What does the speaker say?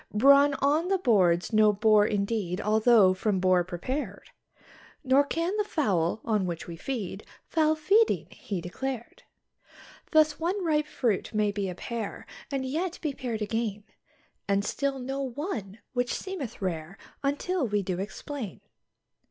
Brawn on the board's no bore indeed although from boar prepared; Nor can the fowl, on which we feed, foul feeding he declared. Thus, one ripe fruit may be a pear, and yet be pared again, And still no one, which seemeth rare until we do explain.